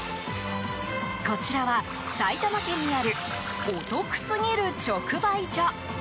こちらは埼玉県にあるお得すぎる直売所。